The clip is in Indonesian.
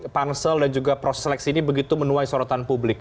pansel dan juga proses seleksi ini begitu menuai sorotan publik